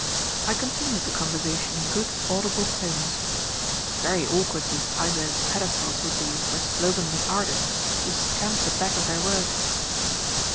I continued the conversation in good audible tones. "Very awkward these isolated pedestals would be for slovenly artists who scamp the back of their work."